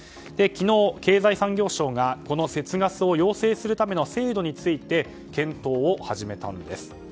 昨日、経済産業省がこの節ガスを要請するための制度について検討を始めたんです。